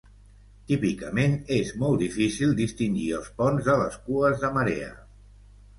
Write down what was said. Típicament, és molt difícil distingir els ponts de les cues de marea.